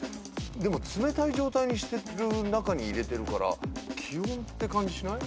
でも冷たい状態にしてる中に入れてるから気温って感じしない？